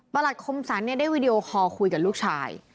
ปรรสคมศระเนี่ยได้วิดีโอคอลคุยกันลูกชาย